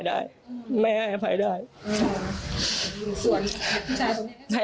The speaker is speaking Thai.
ไม่เป็นไรเขากลับมาเริ่มใหม่ได้